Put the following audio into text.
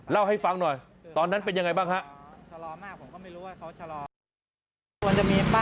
เล่าให้ฟังหน่อยตอนนั้นเป็นยังไงบ้างฮะ